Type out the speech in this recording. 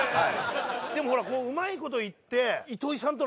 でもほらうまいこといって。